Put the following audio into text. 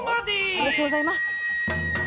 ありがとうございます。